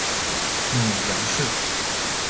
母阳氏。